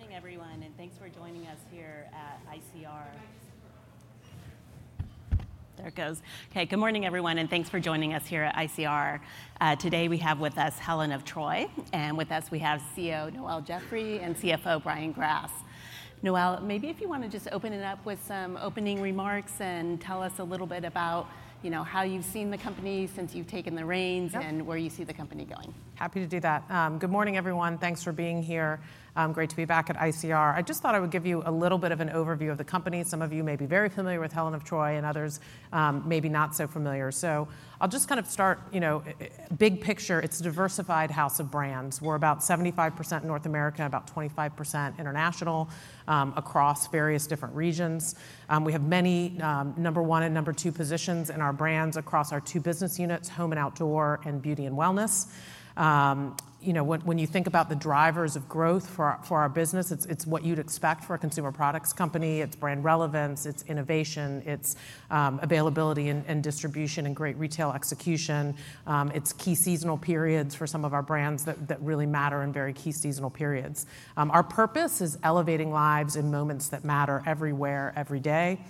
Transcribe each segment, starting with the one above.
Good morning, everyone, and thanks for joining us here at ICR. There it goes. Okay, good morning, everyone, and thanks for joining us here at ICR. Today we have with us Helen of Troy, and with us we have CEO Noel Geoffroy and CFO Brian Grass. Noel, maybe if you want to just open it up with some opening remarks and tell us a little bit about how you've seen the company since you've taken the reins and where you see the company going. Happy to do that. Good morning, everyone. Thanks for being here. Great to be back at ICR. I just thought I would give you a little bit of an overview of the company. Some of you may be very familiar with Helen of Troy and others maybe not so familiar. So I'll just kind of start, you know, big picture. It's a diversified house of brands. We're about 75% North America, about 25% international across various different regions. We have many number one and number two positions in our brands across our two business units, home and outdoor, and beauty and wellness. You know, when you think about the drivers of growth for our business, it's what you'd expect for a consumer products company. It's brand relevance, it's innovation, it's availability and distribution and great retail execution. It's key seasonal periods for some of our brands that really matter in very key seasonal periods. Our purpose is elevating lives in moments that matter everywhere, every day.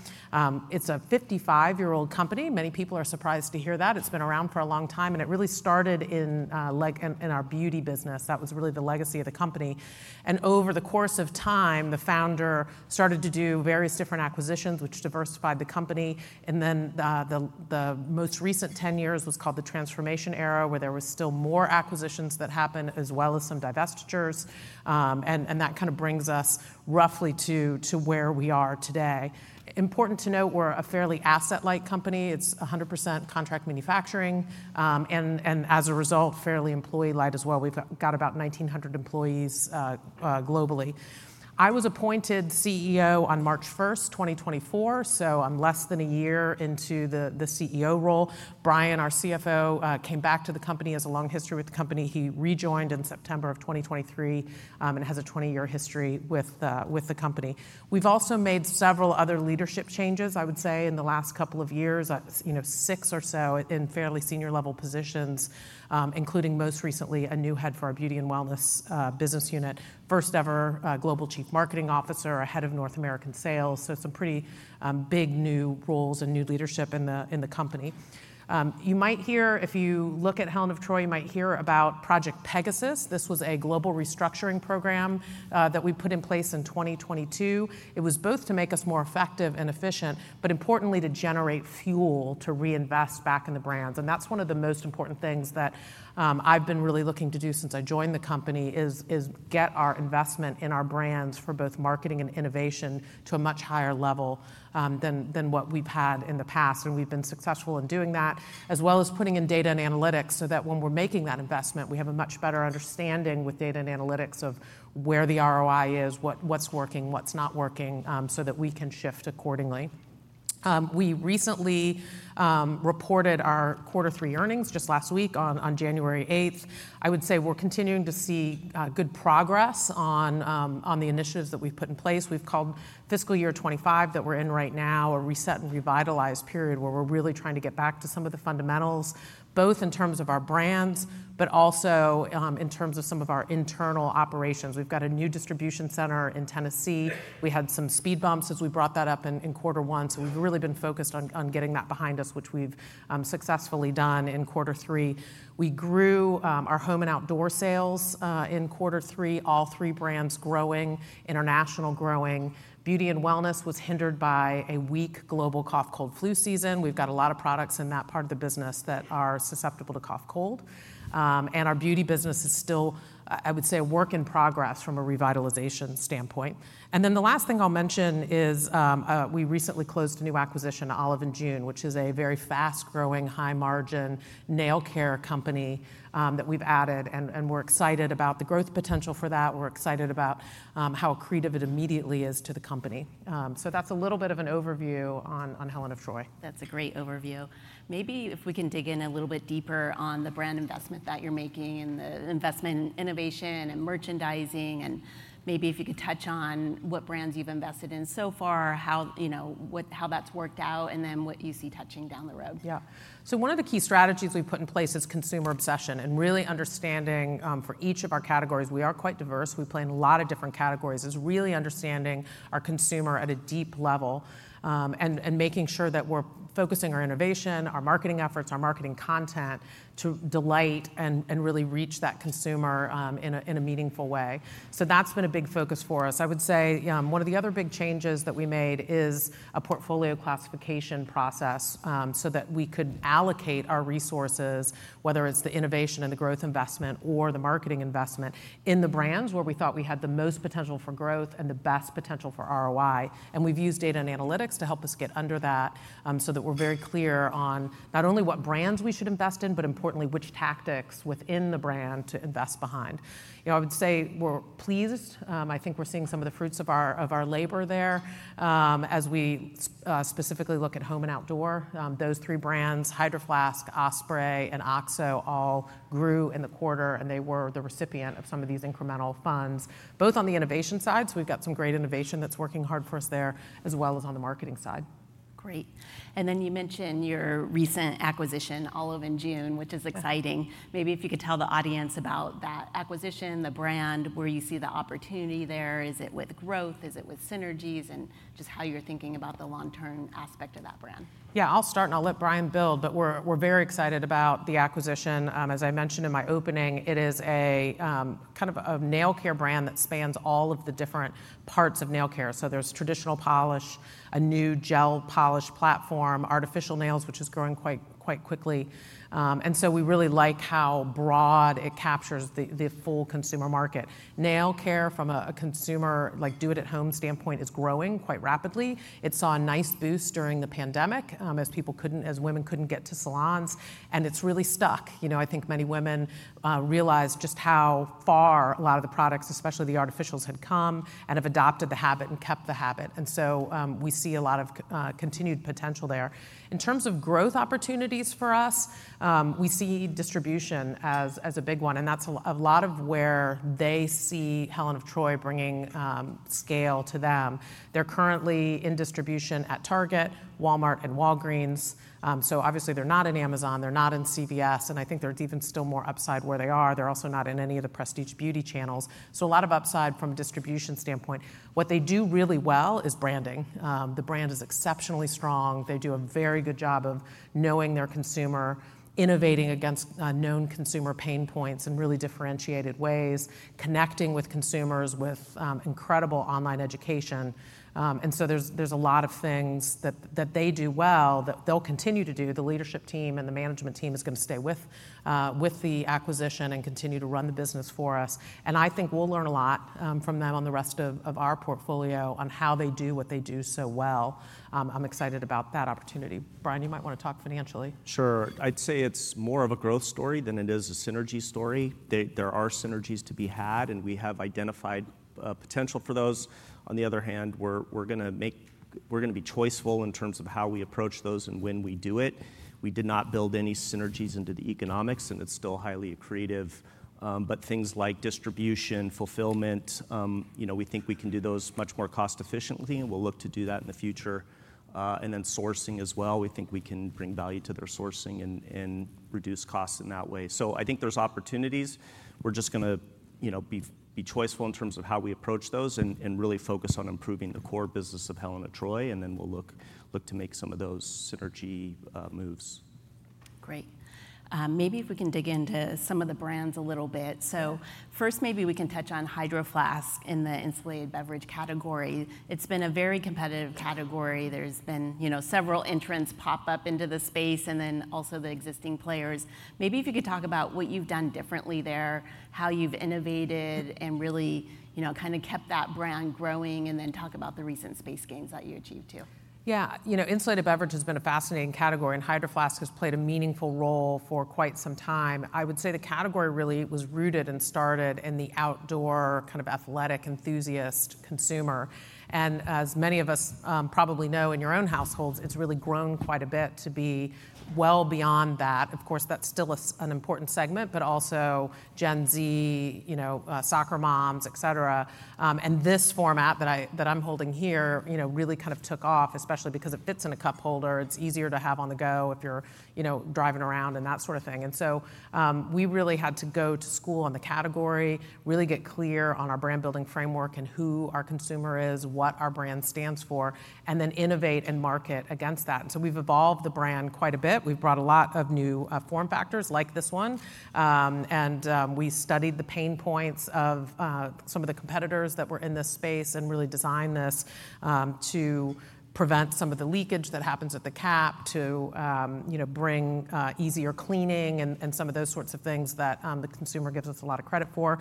It's a 55-year-old company. Many people are surprised to hear that. It's been around for a long time, and it really started in our beauty business. That was really the legacy of the company. And over the course of time, the founder started to do various different acquisitions, which diversified the company. And then the most recent 10 years was called the transformation era, where there were still more acquisitions that happened, as well as some divestitures. And that kind of brings us roughly to where we are today. Important to note, we're a fairly asset-light company. It's 100% contract manufacturing and, as a result, fairly employee-light as well. We've got about 1,900 employees globally. I was appointed CEO on March 1, 2024, so I'm less than a year into the CEO role. Brian, our CFO, came back to the company. He has a long history with the company. He rejoined in September of 2023 and has a 20-year history with the company. We've also made several other leadership changes, I would say, in the last couple of years, six or so in fairly senior-level positions, including most recently a new head for our beauty and wellness business unit, first-ever global chief marketing officer, a head of North American sales. So some pretty big new roles and new leadership in the company. You might hear, if you look at Helen of Troy, you might hear about Project Pegasus. This was a global restructuring program that we put in place in 2022. It was both to make us more effective and efficient, but importantly, to generate fuel to reinvest back in the brands, and that's one of the most important things that I've been really looking to do since I joined the company is get our investment in our brands for both marketing and innovation to a much higher level than what we've had in the past, and we've been successful in doing that, as well as putting in data and analytics so that when we're making that investment, we have a much better understanding with data and analytics of where the ROI is, what's working, what's not working, so that we can shift accordingly. We recently reported our quarter three earnings just last week on January 8. I would say we're continuing to see good progress on the initiatives that we've put in place. We've called fiscal year 25 that we're in right now a reset and revitalized period where we're really trying to get back to some of the fundamentals, both in terms of our brands, but also in terms of some of our internal operations. We've got a new distribution center in Tennessee. We had some speed bumps as we brought that up in quarter one. So we've really been focused on getting that behind us, which we've successfully done in quarter three. We grew our home and outdoor sales in quarter three, all three brands growing, international growing. Beauty and wellness was hindered by a weak global cough, cold, flu season. We've got a lot of products in that part of the business that are susceptible to cough, cold, and our beauty business is still, I would say, a work in progress from a revitalization standpoint. And then the last thing I'll mention is we recently closed a new acquisition, Olive & June, which is a very fast-growing, high-margin nail care company that we've added. And we're excited about the growth potential for that. We're excited about how accretive it immediately is to the company. So that's a little bit of an overview on Helen of Troy. That's a great overview. Maybe if we can dig in a little bit deeper on the brand investment that you're making and the investment in innovation and merchandising, and maybe if you could touch on what brands you've invested in so far, how that's worked out, and then what you see touching down the road. Yeah. So one of the key strategies we've put in place is consumer obsession and really understanding for each of our categories. We are quite diverse. We play in a lot of different categories. It's really understanding our consumer at a deep level and making sure that we're focusing our innovation, our marketing efforts, our marketing content to delight and really reach that consumer in a meaningful way. So that's been a big focus for us. I would say one of the other big changes that we made is a portfolio classification process so that we could allocate our resources, whether it's the innovation and the growth investment or the marketing investment, in the brands where we thought we had the most potential for growth and the best potential for ROI. We've used data and analytics to help us get under that so that we're very clear on not only what brands we should invest in, but importantly, which tactics within the brand to invest behind. I would say we're pleased. I think we're seeing some of the fruits of our labor there as we specifically look at home and outdoor. Those three brands, Hydro Flask, Osprey, and OXO, all grew in the quarter, and they were the recipient of some of these incremental funds, both on the innovation side. We've got some great innovation that's working hard for us there, as well as on the marketing side. Great. And then you mentioned your recent acquisition, Olive & June, which is exciting. Maybe if you could tell the audience about that acquisition, the brand, where you see the opportunity there. Is it with growth? Is it with synergies? And just how you're thinking about the long-term aspect of that brand? Yeah, I'll start and I'll let Brian build, but we're very excited about the acquisition. As I mentioned in my opening, it is kind of a nail care brand that spans all of the different parts of nail care. So there's traditional polish, a new gel polish platform, artificial nails, which is growing quite quickly, and so we really like how broad it captures the full consumer market. Nail care from a consumer, like do-it-at-home standpoint, is growing quite rapidly. It saw a nice boost during the pandemic as women couldn't get to salons, and it's really stuck. I think many women realized just how far a lot of the products, especially the artificials, had come and have adopted the habit and kept the habit, and so we see a lot of continued potential there. In terms of growth opportunities for us, we see distribution as a big one. That's a lot of where they see Helen of Troy bringing scale to them. They're currently in distribution at Target, Walmart, and Walgreens. Obviously, they're not in Amazon. They're not in CVS. I think there's even still more upside where they are. They're also not in any of the prestige beauty channels. A lot of upside from a distribution standpoint. What they do really well is branding. The brand is exceptionally strong. They do a very good job of knowing their consumer, innovating against known consumer pain points in really differentiated ways, connecting with consumers with incredible online education. There's a lot of things that they do well that they'll continue to do. The leadership team and the management team is going to stay with the acquisition and continue to run the business for us. I think we'll learn a lot from them on the rest of our portfolio on how they do what they do so well. I'm excited about that opportunity. Brian, you might want to talk financially. Sure. I'd say it's more of a growth story than it is a synergy story. There are synergies to be had, and we have identified potential for those. On the other hand, we're going to be choiceful in terms of how we approach those and when we do it. We did not build any synergies into the economics, and it's still highly accretive, but things like distribution, fulfillment, we think we can do those much more cost-efficiently, and we'll look to do that in the future, and then sourcing as well. We think we can bring value to their sourcing and reduce costs in that way, so I think there's opportunities. We're just going to be choiceful in terms of how we approach those and really focus on improving the core business of Helen of Troy, and then we'll look to make some of those synergy moves. Great. Maybe if we can dig into some of the brands a little bit. So first, maybe we can touch on Hydro Flask in the insulated beverage category. It's been a very competitive category. There's been several entrants pop up into the space and then also the existing players. Maybe if you could talk about what you've done differently there, how you've innovated and really kind of kept that brand growing, and then talk about the recent space gains that you achieved too. Yeah. You know, insulated beverage has been a fascinating category, and Hydro Flask has played a meaningful role for quite some time. I would say the category really was rooted and started in the outdoor kind of athletic enthusiast consumer. And as many of us probably know in your own households, it's really grown quite a bit to be well beyond that. Of course, that's still an important segment, but also Gen Z, soccer moms, etc. And this format that I'm holding here really kind of took off, especially because it fits in a cup holder. It's easier to have on the go if you're driving around and that sort of thing. And so we really had to go to school on the category, really get clear on our brand building framework and who our consumer is, what our brand stands for, and then innovate and market against that. And so we've evolved the brand quite a bit. We've brought a lot of new form factors like this one. And we studied the pain points of some of the competitors that were in this space and really designed this to prevent some of the leakage that happens at the cap, to bring easier cleaning and some of those sorts of things that the consumer gives us a lot of credit for.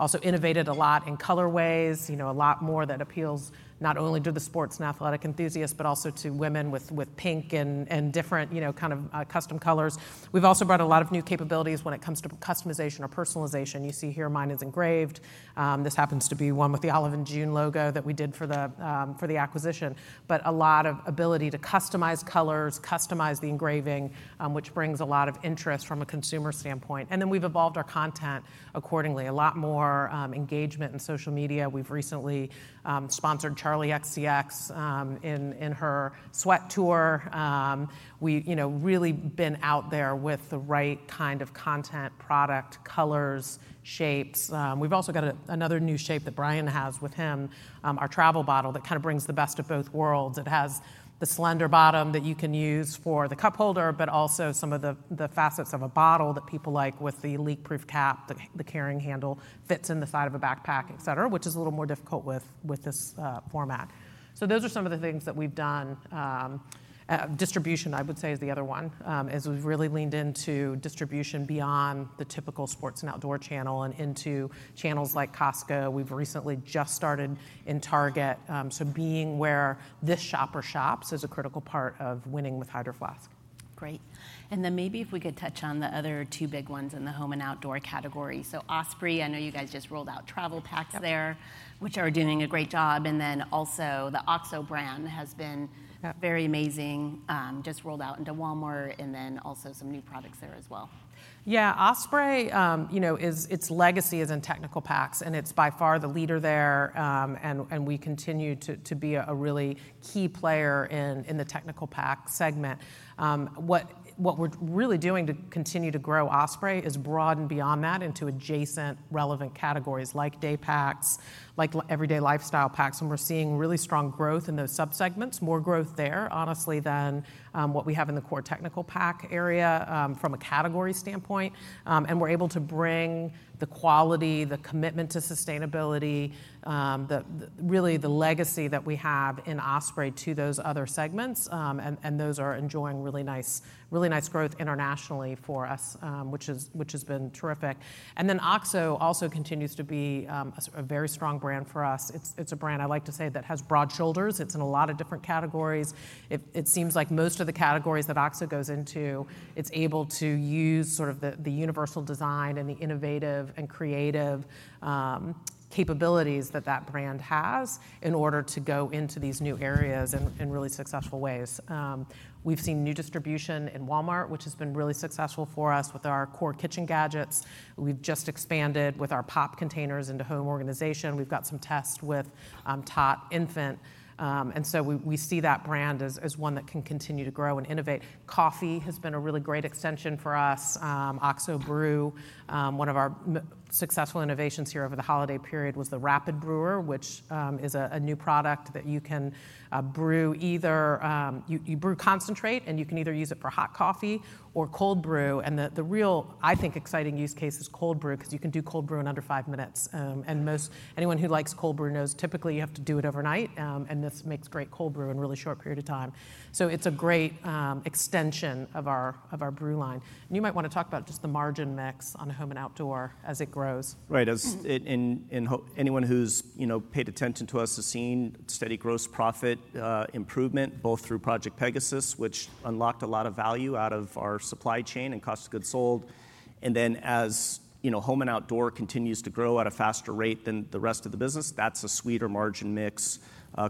Also innovated a lot in color ways, a lot more that appeals not only to the sports and athletic enthusiasts, but also to women with pink and different kind of custom colors. We've also brought a lot of new capabilities when it comes to customization or personalization. You see here, mine is engraved. This happens to be one with the Olive & June logo that we did for the acquisition. But a lot of ability to customize colors, customize the engraving, which brings a lot of interest from a consumer standpoint. And then we've evolved our content accordingly. A lot more engagement in social media. We've recently sponsored Charli XCX in her Sweat Tour. We've really been out there with the right kind of content, product, colors, shapes. We've also got another new shape that Brian has with him, our travel bottle that kind of brings the best of both worlds. It has the slender bottom that you can use for the cup holder, but also some of the facets of a bottle that people like with the leak-proof cap, the carrying handle, fits in the side of a backpack, etc, which is a little more difficult with this format. So those are some of the things that we've done. Distribution, I would say, is the other one. We've really leaned into distribution beyond the typical sports and outdoor channel and into channels like Costco. We've recently just started in Target. So being where this shopper shops is a critical part of winning with Hydro Flask. Great. And then maybe if we could touch on the other two big ones in the home and outdoor category. So Osprey, I know you guys just rolled out travel packs there, which are doing a great job. And then also the OXO brand has been very amazing, just rolled out into Walmart and then also some new products there as well. Yeah. Osprey, its legacy is in technical packs, and it's by far the leader there. And we continue to be a really key player in the technical pack segment. What we're really doing to continue to grow Osprey is broaden beyond that into adjacent relevant categories like day packs, like everyday lifestyle packs. And we're seeing really strong growth in those subsegments, more growth there, honestly, than what we have in the core technical pack area from a category standpoint. And we're able to bring the quality, the commitment to sustainability, really the legacy that we have in Osprey to those other segments. And those are enjoying really nice growth internationally for us, which has been terrific. And then OXO also continues to be a very strong brand for us. It's a brand, I like to say, that has broad shoulders. It's in a lot of different categories. It seems like most of the categories that OXO goes into, it's able to use sort of the universal design and the innovative and creative capabilities that that brand has in order to go into these new areas in really successful ways. We've seen new distribution in Walmart, which has been really successful for us with our core kitchen gadgets. We've just expanded with our POP Containers into home organization. We've got some tests with OXO Tot, and so we see that brand as one that can continue to grow and innovate. Coffee has been a really great extension for us. OXO Brew, one of our successful innovations here over the holiday period, was the Rapid Brewer, which is a new product that you can brew either you brew concentrate, and you can either use it for hot coffee or cold brew. The real, I think, exciting use case is cold brew because you can do cold brew in under five minutes. Anyone who likes cold brew knows typically you have to do it overnight, and this makes great cold brew in a really short period of time. It's a great extension of our brew line. You might want to talk about just the margin mix on home and outdoor as it grows. Right. Anyone who's paid attention to us has seen steady gross profit improvement both through Project Pegasus, which unlocked a lot of value out of our supply chain and cost of goods sold. And then as home and outdoor continues to grow at a faster rate than the rest of the business, that's a sweeter margin mix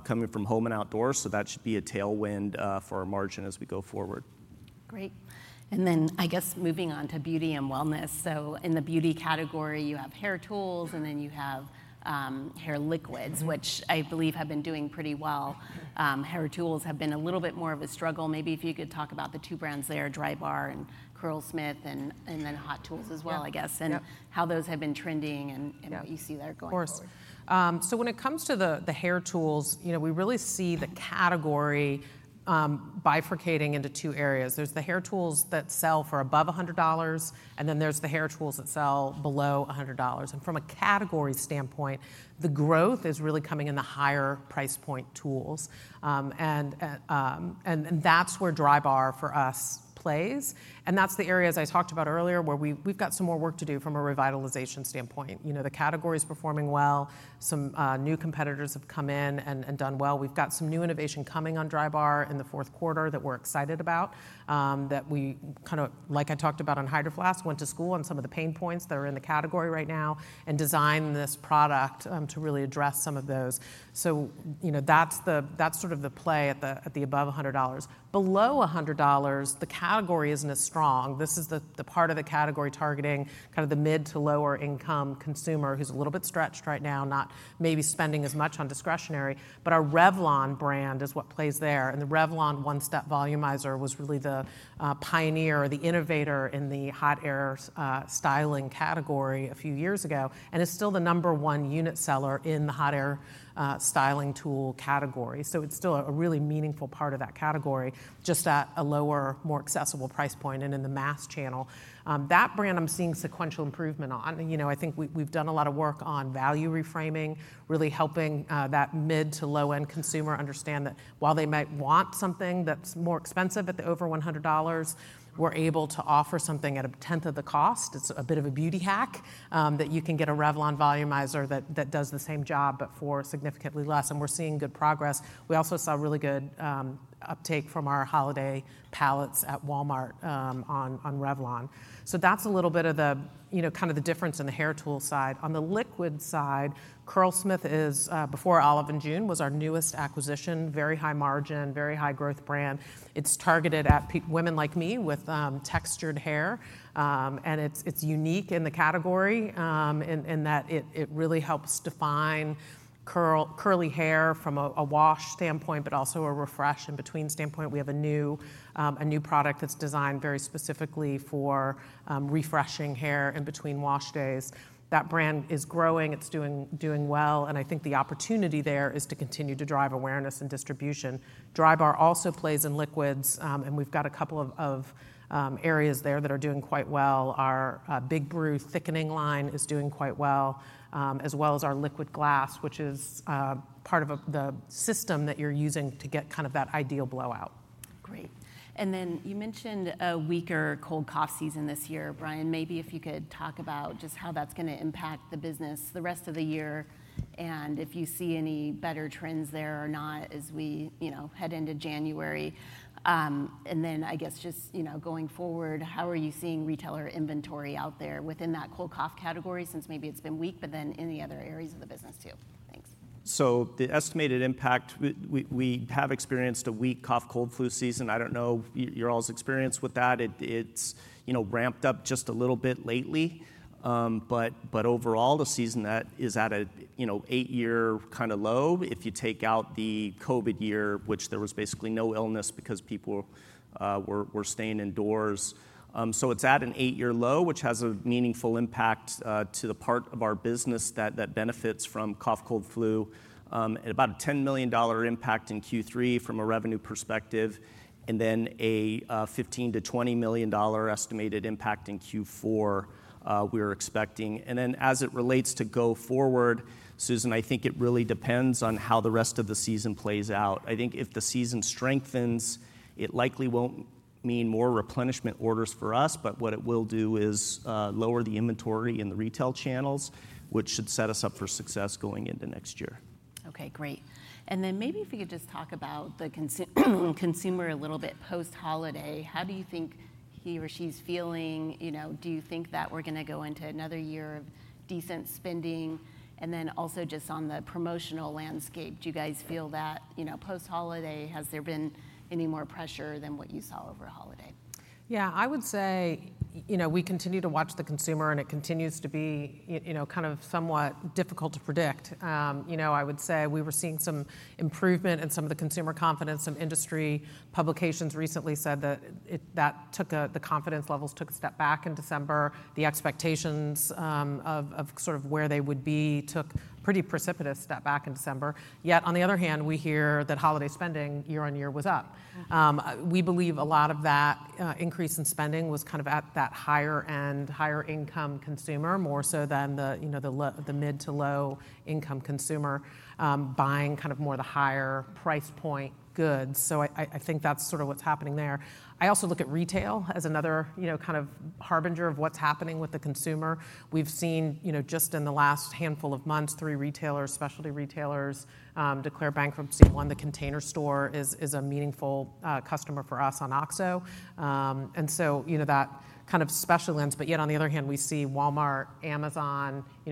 coming from home and outdoor. So that should be a tailwind for our margin as we go forward. Great. And then I guess moving on to beauty and wellness. So in the beauty category, you have hair tools, and then you have hair liquids, which I believe have been doing pretty well. Hair tools have been a little bit more of a struggle. Maybe if you could talk about the two brands there, Drybar and Curlsmith, and then Hot Tools as well, I guess, and how those have been trending and what you see there going forward. Of course. So when it comes to the hair tools, we really see the category bifurcating into two areas. There's the hair tools that sell for above $100, and then there's the hair tools that sell below $100. And from a category standpoint, the growth is really coming in the higher price point tools. And that's where Drybar for us plays. And that's the area, as I talked about earlier, where we've got some more work to do from a revitalization standpoint. The category is performing well. Some new competitors have come in and done well. We've got some new innovation coming on Drybar in the fourth quarter that we're excited about, that we, kind of like I talked about on Hydro Flask, went to school on some of the pain points that are in the category right now and designed this product to really address some of those. So that's sort of the play at the above $100. Below $100, the category isn't as strong. This is the part of the category targeting kind of the mid to lower-income consumer who's a little bit stretched right now, not maybe spending as much on discretionary. But our Revlon brand is what plays there, and the Revlon One-Step Volumizer was really the pioneer or the innovator in the hot air styling category a few years ago and is still the number one unit seller in the hot air styling tool category. It's still a really meaningful part of that category, just at a lower, more accessible price point and in the mass channel. That brand I'm seeing sequential improvement on. I think we've done a lot of work on value reframing, really helping that mid to low-end consumer understand that while they might want something that's more expensive at the over $100, we're able to offer something at a tenth of the cost. It's a bit of a beauty hack that you can get a Revlon Volumizer that does the same job but for significantly less. And we're seeing good progress. We also saw really good uptake from our holiday pallets at Walmart on Revlon. That's a little bit of the kind of the difference on the hair tool side. On the liquid side, Curlsmith is before Olive & June was our newest acquisition, very high margin, very high growth brand. It's targeted at women like me with textured hair. And it's unique in the category in that it really helps define curly hair from a wash standpoint, but also a refresh in-between standpoint. We have a new product that's designed very specifically for refreshing hair in-between wash days. That brand is growing. It's doing well. And I think the opportunity there is to continue to drive awareness and distribution. Drybar also plays in liquids. And we've got a couple of areas there that are doing quite well. Our Big Brew thickening line is doing quite well, as well as our Liquid Glass, which is part of the system that you're using to get kind of that ideal blowout. Great. And then you mentioned a weaker cold cough season this year. Brian, maybe if you could talk about just how that's going to impact the business the rest of the year and if you see any better trends there or not as we head into January. And then I guess just going forward, how are you seeing retailer inventory out there within that cold cough category since maybe it's been weak, but then in the other areas of the business too? Thanks. So the estimated impact, we have experienced a weak cough cold flu season. I don't know your all's experience with that. It's ramped up just a little bit lately. But overall, the season is at an eight-year kind of low. If you take out the COVID year, which there was basically no illness because people were staying indoors. So it's at an eight-year low, which has a meaningful impact to the part of our business that benefits from cough cold flu. At about a $10 million impact in Q3 from a revenue perspective. And then a $15 million-$20 million estimated impact in Q4 we're expecting. And then as it relates to go forward, Susan, I think it really depends on how the rest of the season plays out. I think if the season strengthens, it likely won't mean more replenishment orders for us, but what it will do is lower the inventory in the retail channels, which should set us up for success going into next year. Okay, great. And then maybe if we could just talk about the consumer a little bit post-holiday. How do you think he or she's feeling? Do you think that we're going to go into another year of decent spending? And then also just on the promotional landscape, do you guys feel that post-holiday, has there been any more pressure than what you saw over holiday? Yeah, I would say we continue to watch the consumer, and it continues to be kind of somewhat difficult to predict. I would say we were seeing some improvement in some of the consumer confidence. Some industry publications recently said that the confidence levels took a step back in December. The expectations of sort of where they would be took a pretty precipitous step back in December. Yet, on the other hand, we hear that holiday spending year on year was up. We believe a lot of that increase in spending was kind of at that higher-end, higher-income consumer, more so than the mid to low-income consumer buying kind of more the higher price point goods. So I think that's sort of what's happening there. I also look at retail as another kind of harbinger of what's happening with the consumer. We've seen just in the last handful of months three retailers, specialty retailers, declare bankruptcy. One of the Container Store is a meaningful customer for us on OXO, and so that kind of specialty ends, but yet on the other hand we see Walmart,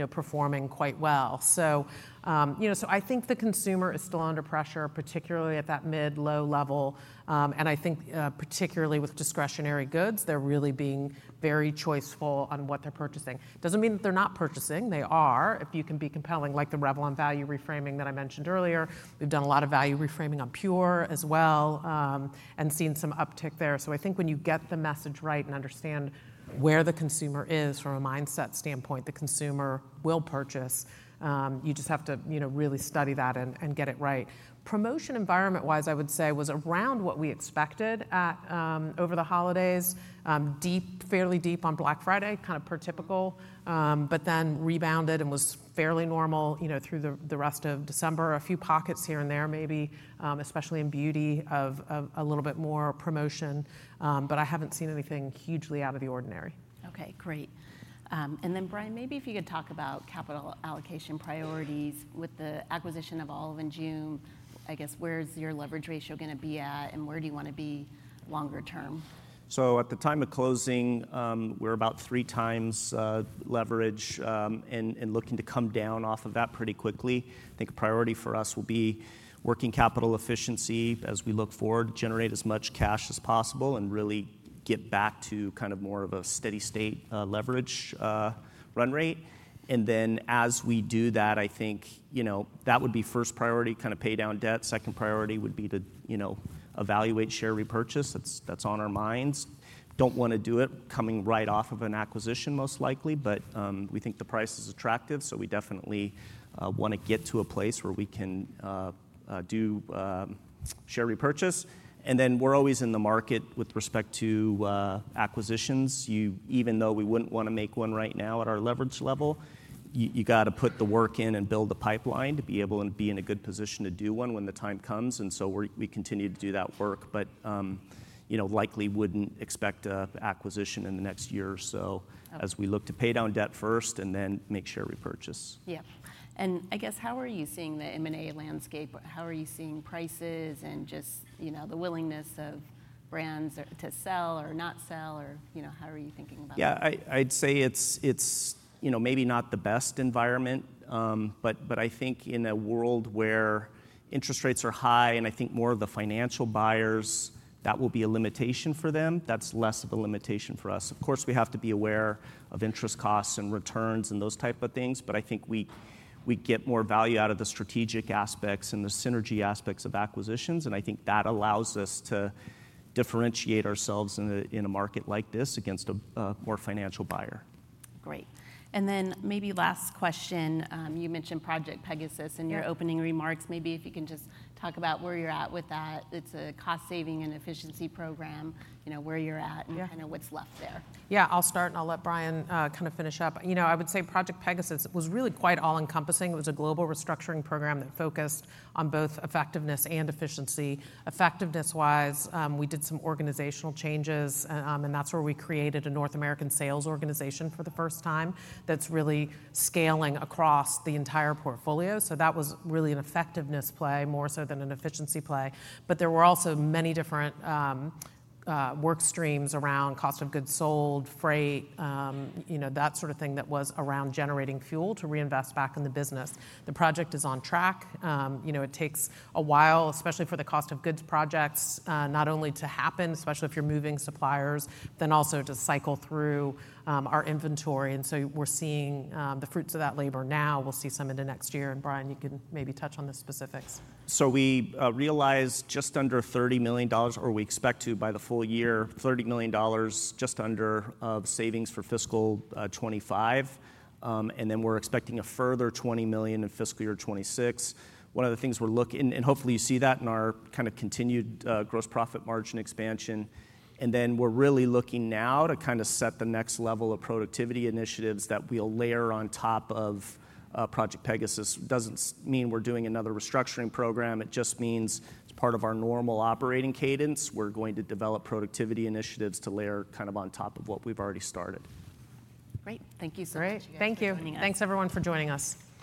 Amazon performing quite well, so I think the consumer is still under pressure, particularly at that mid-low level, and I think particularly with discretionary goods, they're really being very choiceful on what they're purchasing. Doesn't mean that they're not purchasing. They are, if you can be compelling, like the Revlon value reframing that I mentioned earlier. We've done a lot of value reframing on PUR as well and seen some uptick there, so I think when you get the message right and understand where the consumer is from a mindset standpoint, the consumer will purchase. You just have to really study that and get it right. Promotion environment-wise, I would say, was around what we expected over the holidays, fairly deep on Black Friday, kind of per typical, but then rebounded and was fairly normal through the rest of December. A few pockets here and there, maybe, especially in beauty of a little bit more promotion, but I haven't seen anything hugely out of the ordinary. Okay, great. And then, Brian, maybe if you could talk about capital allocation priorities with the acquisition of Olive & June. I guess where's your leverage ratio going to be at, and where do you want to be longer term? So at the time of closing, we're about three times leverage and looking to come down off of that pretty quickly. I think a priority for us will be working capital efficiency as we look forward, generate as much cash as possible, and really get back to kind of more of a steady-state leverage run rate. And then as we do that, I think that would be first priority, kind of pay down debt. Second priority would be to evaluate share repurchase. That's on our minds. Don't want to do it coming right off of an acquisition, most likely, but we think the price is attractive. So we definitely want to get to a place where we can do share repurchase. And then we're always in the market with respect to acquisitions. Even though we wouldn't want to make one right now at our leverage level, you got to put the work in and build the pipeline to be able to be in a good position to do one when the time comes, and so we continue to do that work, but likely wouldn't expect an acquisition in the next year or so as we look to pay down debt first and then make share repurchase. Yep. And I guess how are you seeing the M&A landscape? How are you seeing prices and just the willingness of brands to sell or not sell? Or how are you thinking about that? Yeah, I'd say it's maybe not the best environment. But I think in a world where interest rates are high and I think more of the financial buyers, that will be a limitation for them. That's less of a limitation for us. Of course, we have to be aware of interest costs and returns and those type of things. But I think we get more value out of the strategic aspects and the synergy aspects of acquisitions. And I think that allows us to differentiate ourselves in a market like this against a more financial buyer. Great, and then maybe last question. You mentioned Project Pegasus in your opening remarks. Maybe if you can just talk about where you're at with that. It's a cost-saving and efficiency program. Where you're at and kind of what's left there? Yeah, I'll start and I'll let Brian kind of finish up. I would say Project Pegasus was really quite all-encompassing. It was a global restructuring program that focused on both effectiveness and efficiency. Effectiveness-wise, we did some organizational changes, and that's where we created a North American sales organization for the first time that's really scaling across the entire portfolio. So that was really an effectiveness play more so than an efficiency play. But there were also many different work streams around cost of goods sold, freight, that sort of thing that was around generating fuel to reinvest back in the business. The project is on track. It takes a while, especially for the cost of goods projects, not only to happen, especially if you're moving suppliers, then also to cycle through our inventory. And so we're seeing the fruits of that labor now. We'll see some in the next year. And Brian, you can maybe touch on the specifics. We realized just under $30 million, or we expect to by the full year, just under $30 million in savings for fiscal 2025. And then we're expecting a further $20 million in fiscal year 2026. One of the things we're looking, and hopefully you see that in our kind of continued gross profit margin expansion. And then we're really looking now to kind of set the next level of productivity initiatives that we'll layer on top of Project Pegasus. Doesn't mean we're doing another restructuring program. It just means it's part of our normal operating cadence. We're going to develop productivity initiatives to layer kind of on top of what we've already started. Great. Thank you so much for joining us. Thank you. Thanks, everyone, for joining us.